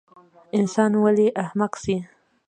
انسان ولۍ احمق سي؟